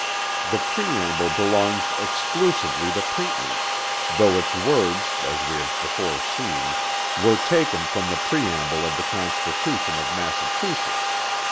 The preamble belongs exclusively to Pinckney, though its words as we have before seen, were taken from the preamble of the constitution of Massachusetts.